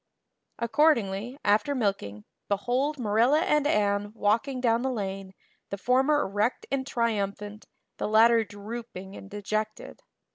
Accordingly, after milking, behold Marilla and Anne walking down the lane, the former erect and triumphant, the latter drooping and dejected.